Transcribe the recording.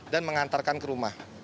dan mengantarkan ke rumah